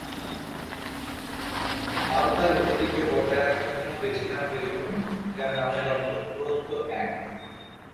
আলতা’র ঐতিহ্য বজায় রাখার জন্য বেছে নেওয়া হয়েছিল, যার নামের অর্থ "উড়ন্ত এক"।